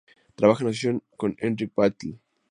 Trabaja en asociación con Enric Batlle.